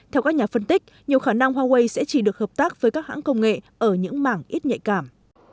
theo các nhà phân tích nhiều khả năng huawei sẽ chỉ được hợp tác với các hãng công nghệ ở những mảng ít nhạy cảm